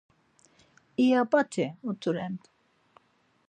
İya p̆at̆i mutu ren.